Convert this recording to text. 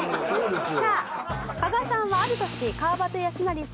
さあ加賀さんはある年川端康成さん